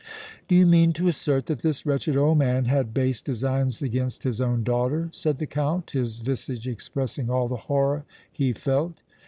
"Do you mean to assert that this wretched old man had base designs against his own daughter?" said the Count, his visage expressing all the horror he felt.